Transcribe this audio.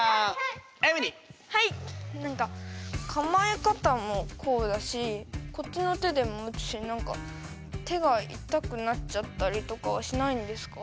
何かかまえ方もこうだしこっちの手でも打つし何か手が痛くなっちゃったりとかはしないんですか？